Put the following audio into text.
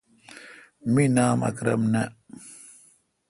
می نام اکرم نہ۔